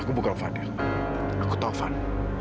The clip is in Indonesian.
aku bukan pak adil aku taufan